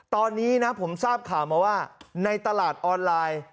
ตอนนี้นะผมทราบข่าวมาว่าในตลาดออนไลน์